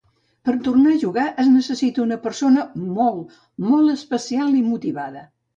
Per tornar a jugar, es necessita una persona molt, molt especial i motivada.